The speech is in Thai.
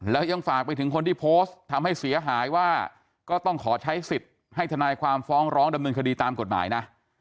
แล้วยังฝากไปถึงคนที่โพสต์ทำให้เสียหายว่าก็ต้องขอใช้สิทธิ์ให้ทนายความฟ้องร้องดำเนินคดีตามกฎหมายนะ